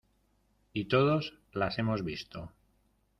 y todos las hemos visto.